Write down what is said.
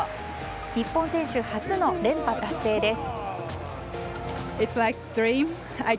日本選手初の連覇達成です。